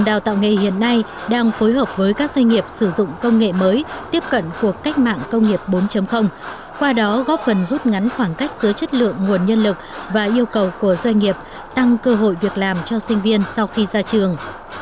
đào tạo nghề hiện nay đang phối hợp với các doanh nghiệp sử dụng công nghệ mới tiếp cận cuộc cách mạng công nghiệp bốn qua đó góp phần rút ngắn khoảng cách giữa chất lượng nguồn nhân lực và yêu cầu của doanh nghiệp tăng cơ hội việc làm cho sinh viên sau khi ra trường